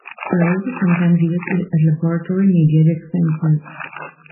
They are also sometimes used as laboratory media dispensers.